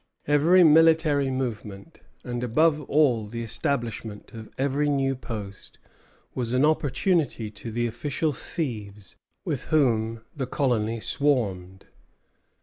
Every military movement, and above all the establishment of every new post, was an opportunity to the official thieves with whom the colony swarmed.